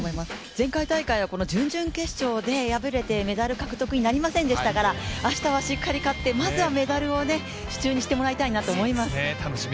前回大会は準々決勝で敗れてメダル獲得になりませんでしたから、明日はしっかり勝ってまずはメダルを手中にしてほしいと思います。